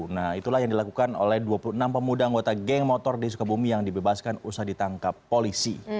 nah itulah yang dilakukan oleh dua puluh enam pemuda anggota geng motor di sukabumi yang dibebaskan usaha ditangkap polisi